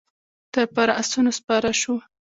پر آسونو سپاره شوو.